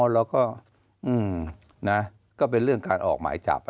อ๋อแล้วก็อืมนะก็เป็นเรื่องการออกหมายจับนะ